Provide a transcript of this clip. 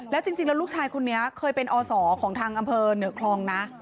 แล้วจริงแล้วลูกชายคนนี้เคยเป็นอศของทางอำเภอเหนือคลองนะ